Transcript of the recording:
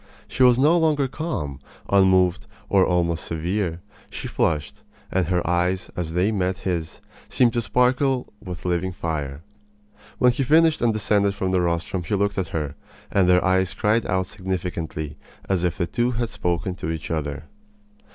She was no longer calm, unmoved, and almost severe. She flushed, and her eyes as they met his seemed to sparkle with living fire. When he finished and descended from the rostrum he looked at her, and their eyes cried out as significantly as if the two had spoken to each other.